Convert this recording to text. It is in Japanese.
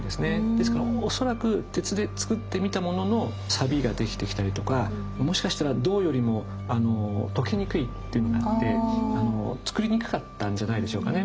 ですから恐らく鉄でつくってみたもののサビが出来てきたりとかもしかしたら銅よりも溶けにくいというのがあってつくりにくかったんじゃないでしょうかね。